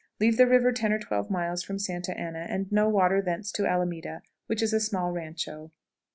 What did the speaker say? Leave the river 10 or 12 miles from Santa Anna, and no water thence to Alamita, which is a small rancho.